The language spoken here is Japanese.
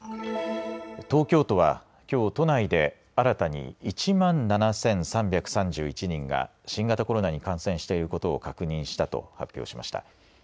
東京都はきょう、都内で新たに１万７３３１人が新型コロナに感染していることを確認したと発表しました。